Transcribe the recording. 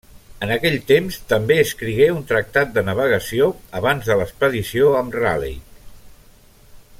En aquells temps també escrigué un tractat de navegació abans de l'expedició amb Raleigh.